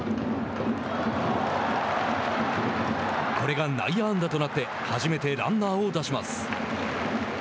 これが内野安打となって初めてランナーを出します。